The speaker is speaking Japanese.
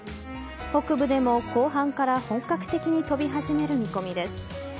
北部でも後半から本格的に飛び始める見込みです。